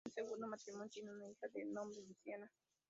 De su segundo matrimonio tiene una hija de nombre Luciana.